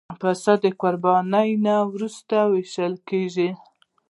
پسه د قربانۍ نه وروسته وېشل کېږي.